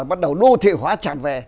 bắt đầu đô thị hóa tràn về